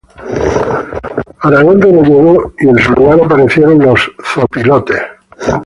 Aragón Rebolledo y en su lugar aparecieron los "los zopilotes".